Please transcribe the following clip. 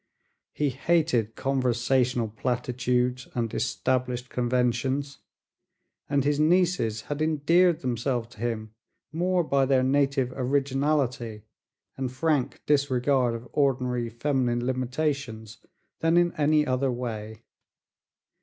He hated conversational platitudes and established conventions, and his nieces had endeared themselves to him more by their native originality and frank disregard of ordinary feminine limitations than in any other way.